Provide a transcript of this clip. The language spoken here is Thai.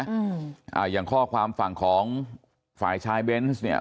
อ่าอย่างข้อความฝั่งของฝ่ายชายเบนส์เนี้ย